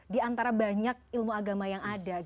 di antara banyak ilmu agama yang ada